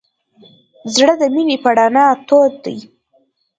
زړه د مینې په رڼا تود وي.